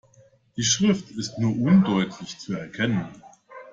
Die Schrift ist nur undeutlich zu erkennen.